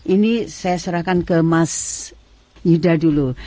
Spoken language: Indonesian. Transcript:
ini saya serahkan ke mas yuda dulu